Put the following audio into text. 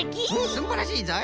すんばらしいぞい。